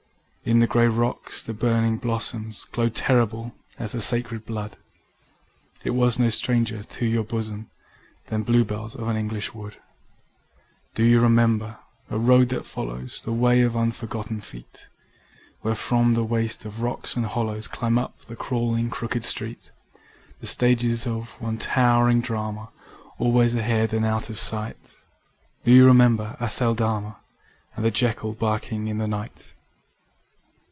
In the grey rocks the burning blossom Glowed terrible as the sacred blood: It was no stranger to your bosom Than bluebells of an English wood. Do you remember a road that follows The way of unforgotten feet, Where from the waste of rocks and hollows Climb up the crawling crooked street The stages of one towering drama Always ahead and out of sight ... Do you remember Aceldama And the jackal barking in the night?